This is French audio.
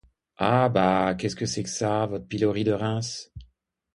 Ah! bah ! qu’est-ce que c’est que ça, votre pilori de Reims?